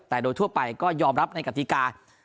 แต่โดยทั่วไปก็ยอมรับในกติกา